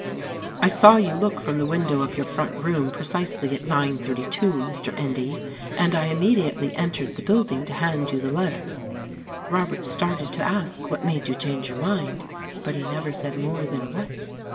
"I saw you look from the window of your front room precisely at nine thirty two, Mr. Endy, and I immediately entered the building to hand you the letter." Robert started to ask, What made you change your mind? But he never said more than "What."